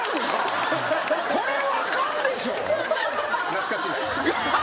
懐かしいっす。